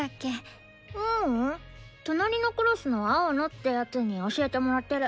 ううん隣のクラスの青野って奴に教えてもらってる。